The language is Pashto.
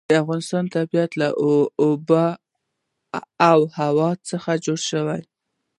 د افغانستان طبیعت له آب وهوا څخه جوړ شوی دی.